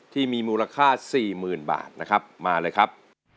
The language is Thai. ที่มีมูลค่า๔๐๐๐บาทนะครับมาเลยครับ